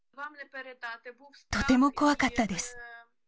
とても怖かったです。